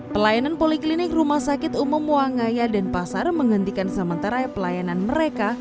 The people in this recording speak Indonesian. pelayanan poliklinik rumah sakit umum wangaya dan pasar menghentikan sementara pelayanan mereka